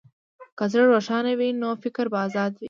که زړه روښانه وي، نو فکر به ازاد وي.